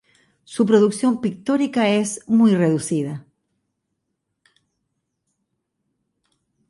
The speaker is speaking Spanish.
Su producción pictórica es muy reducida.